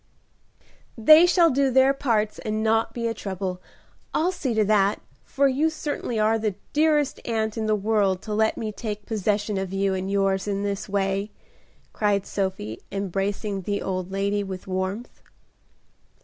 "They shall do their parts and not be a trouble; I'll see to that, for you certainly are the dearest aunt in the world to let me take possession of you and yours in this way," cried Sophie, embracing the old lady with warmth.